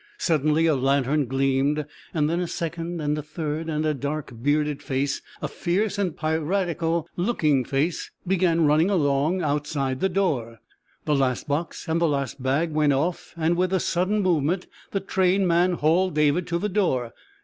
Suddenly a lantern gleamed, then a second and a third, and a dark, bearded face a fierce and piratical looking face began running along outside the door. The last box and the last bag went off, and with a sudden movement the train man hauled David to the door.